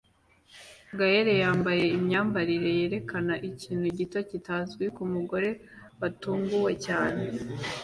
Gael yambaye imyambarire yerekana ikintu gito kitazwi kumugore watunguwe cyane